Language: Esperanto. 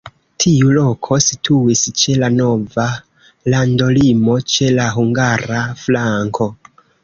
Tiu loko situis ĉe la nova landolimo, ĉe la hungara flanko.